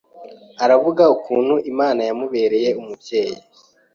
aravuga ukuntu Imana yamubereye umubyeyi